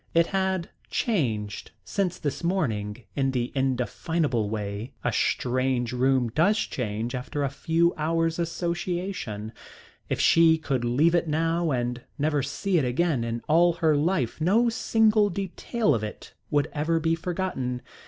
It had changed since this morning in the indefinable way a strange room does change after a few hours' association. If she could leave it now and never see it again in all her life no single detail of it would ever be forgotten.